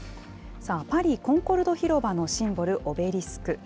さあ、パリ・コンコルド広場のシンボル、オベリスク。